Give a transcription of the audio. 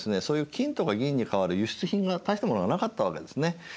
そういう金とか銀に代わる輸出品が大したものがなかったわけですね。